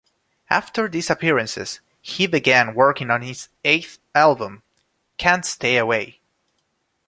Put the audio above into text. After these appearances, he began working on his eighth album, "Can't Stay Away".